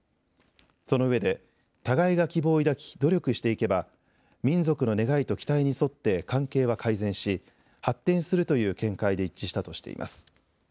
そのうえで互いが希望を抱き努力していけば民族の願いと期待に沿って関係は改善し発展するという見解で一致したとしています。